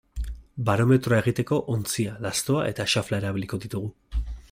Barometroa egiteko ontzia, lastoa eta xafla erabiliko ditugu.